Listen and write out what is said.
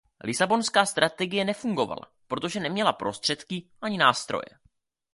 Lisabonská strategie nefungovala, protože neměla prostředky ani nástroje.